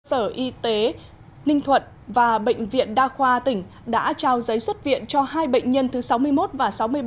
sở y tế ninh thuận và bệnh viện đa khoa tỉnh đã trao giấy xuất viện cho hai bệnh nhân thứ sáu mươi một và sáu mươi bảy